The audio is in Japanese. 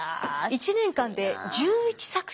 １年間で１１作品。